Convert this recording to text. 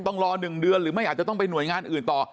ต้องรอ๑เดือนหรือไม่อาจจะต้องไปหน่วยงานอื่นต่อ